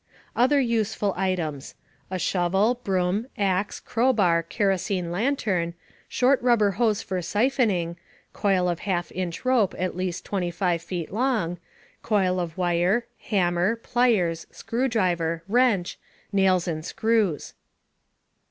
Other useful items: a shovel, broom, axe, crowbar, kerosene lantern, short rubber hose for siphoning, coil of half inch rope at least 25 feet long, coil of wire, hammer, pliers, screwdriver, wrench, nails and screws.